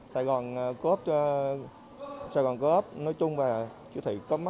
sài gòn co op cho sài gòn co op nói chung là